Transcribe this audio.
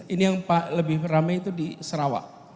ini yang lebih ramai itu di sarawak